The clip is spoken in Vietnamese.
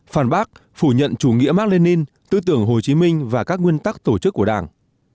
một phản bác phủ nhận chủ nghĩa mạc lê ninh tư tưởng hồ chí minh và các nguyên tắc tổ chức của đảng